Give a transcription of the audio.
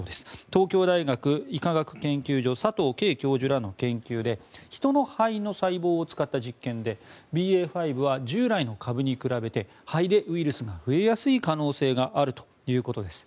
東京大学医科学研究所佐藤佳教授らの研究で人の肺の細胞を使った実験でＢＡ．５は従来の株に比べて肺でウイルスが増えやすい可能性があるということです。